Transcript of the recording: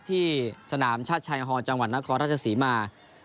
ที่สนามชาติชายฮอลจังหวัดนครราชศรีมา